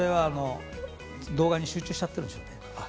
それは動画に集中しちゃってるんでしょう。